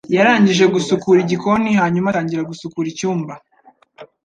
yarangije gusukura igikoni hanyuma atangira gusukura icyumba.